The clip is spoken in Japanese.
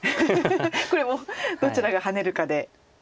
これもどちらがハネるかで。